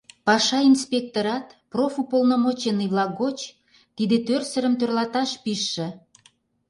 Паша инспекторат профуполномоченный-влак гоч тиде тӧрсырым тӧрлаташ пижше.